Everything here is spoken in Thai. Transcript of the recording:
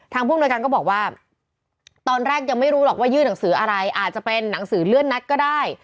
ผู้อำนวยการก็บอกว่าตอนแรกยังไม่รู้หรอกว่ายื่นหนังสืออะไรอาจจะเป็นหนังสือเลื่อนนัดก็ได้